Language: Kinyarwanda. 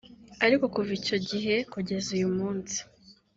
Ariko kuva icyo gihe kugeza uyu munsi